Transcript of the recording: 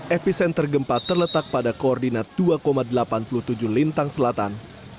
epicenter gempa terletak pada koordinat dua delapan puluh tujuh lintang selatan